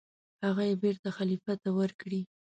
هغه یې بېرته خلیفه ته ورکړې.